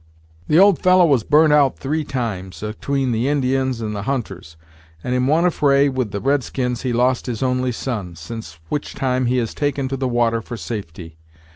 "The old fellow was burnt out three times, atween the Indians and the hunters; and in one affray with the red skins he lost his only son, since which time he has taken to the water for safety.